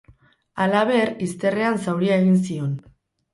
Halaber, izterrean zauria egin zion.